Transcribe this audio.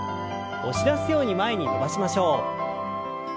押し出すように前に伸ばしましょう。